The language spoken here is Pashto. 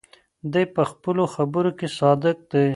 دی په خپلو خبرو کې صادق دی.